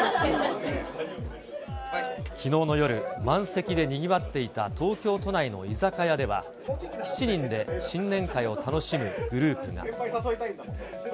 きのうの夜、満席でにぎわっていた東京都内の居酒屋では、７人で新年会を楽しむグループが。